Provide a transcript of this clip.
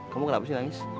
kamu kenapa sih nangis